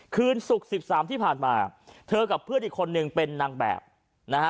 คืนศุกร์๑๓ที่ผ่านมาเธอกับเพื่อนอีกคนนึงเป็นนางแบบนะฮะ